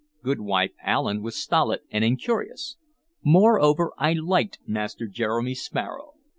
Goodwife Allen was stolid and incurious. Moreover, I liked Master Jeremy Sparrow.